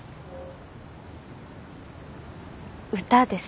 歌です。